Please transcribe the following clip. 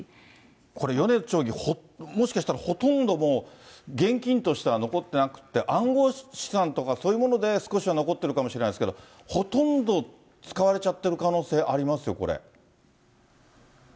これ、米津町議、もしかしたらほとんど現金としては残ってなくて、暗号資産とか、そういうもので少しは残ってるかもしれないけど、ほとんど使われちゃってる可能性ありますよ、これ。